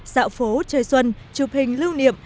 dạo phố chơi xuân chụp hình lưu niệm